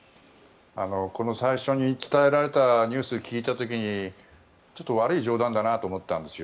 この最初に伝えられたニュースを聞いた時にちょっと悪い冗談だなと思ったんですよ。